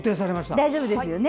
大丈夫ですよね。